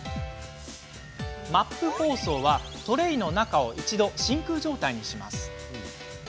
ＭＡＰ包装は、トレーの中を一度、真空状態にします。